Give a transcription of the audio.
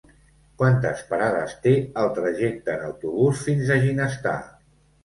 Quantes parades té el trajecte en autobús fins a Ginestar?